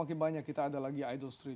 makin banyak kita ada lagi idol street